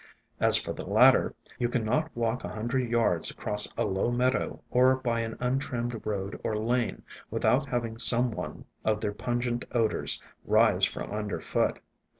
As for the latter, you can not walk a hundred yards across a low meadow or by an untrimmed road or lane, without having some one of their pungent odors rise from under foot.